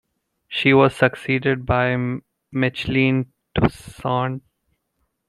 She was succeeded by Micheline Toussaint.